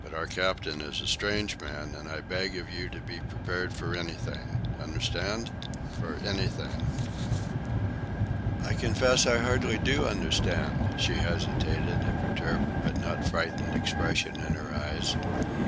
But our captain is a strange man, and I beg of you to be prepared for anything—understand?—for anything." "I—I confess I hardly do understand," she hesitated, a perturbed but not frightened expression in her eyes.